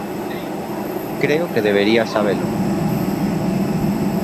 Creo que debería sabelo.